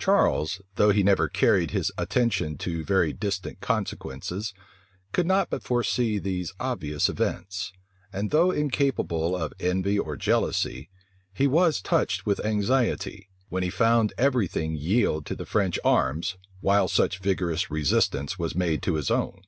Charles, though he never carried his attention to very distant consequences, could not but foresee these obvious events; and though incapable of envy or jealousy, he was touched with anxiety, when he found every thing yield to the French arms, while such vigorous resistance was made to his own.